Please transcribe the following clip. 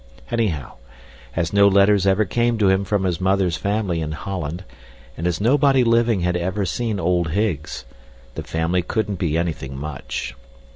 Anyhow, as no letters ever came to him from his mother's family in Holland, and as nobody living had ever seen old Higgs, the family couldn't be anything much.